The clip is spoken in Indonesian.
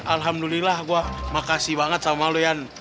alhamdulillah gue makasih banget sama lo ian